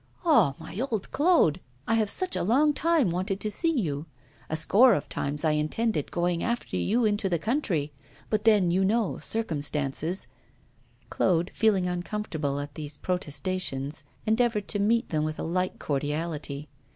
'Ah, my old Claude! I have for such a long time wanted to see you. A score of times I intended going after you into the country; but then, you know, circumstances ' Claude, feeling uncomfortable at these protestations, endeavoured to meet them with a like cordiality.